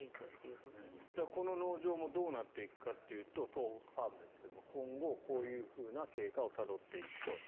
この農場もどうなっていくかというと東北ファームですが今後こういう経過をたどっていくと。